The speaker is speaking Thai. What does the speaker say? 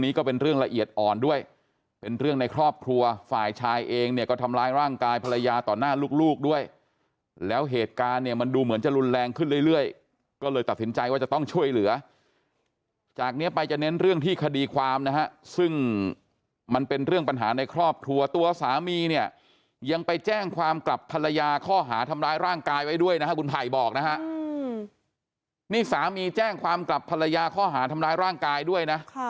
นี้ก็เป็นเรื่องละเอียดอ่อนด้วยเป็นเรื่องในครอบครัวฝ่ายชายเองเนี่ยก็ทำลายร่างกายภรรยาต่อหน้าลูกด้วยแล้วเหตุการณ์เนี่ยมันดูเหมือนจะรุนแรงขึ้นเรื่อยก็เลยตัดสินใจว่าจะต้องช่วยเหลือจากนี้ไปจะเน้นเรื่องที่คดีความนะฮะซึ่งมันเป็นเรื่องปัญหาในครอบครัวตัวสามีเนี่ยยังไปแจ้งความกลับภรรย